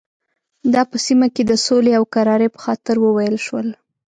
دا په سیمه کې د سولې او کرارۍ په خاطر وویل شول.